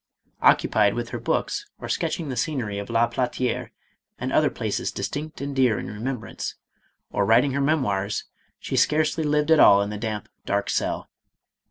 Occupied with her books, or sketch ing the scenery of La Platiere and other places distinct and dear in remembrance, or writing her memoirs, she scarcely lived at all in the damp, dark cell.